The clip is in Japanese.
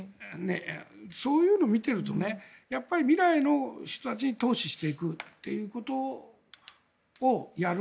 そういうのを見ていると未来の人たちに投資していくということをやる。